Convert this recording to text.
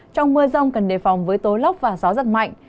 trong mưa rông cần đề phòng với tố lốc và gió giật mạnh